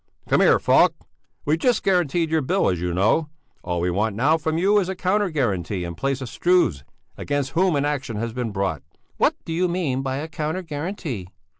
"Come here, Falk! We've just guaranteed your bill, as you know; all we want now from you is a counter guarantee in place of Struve's, against whom an action has been brought." "What do you mean by a counter guarantee?"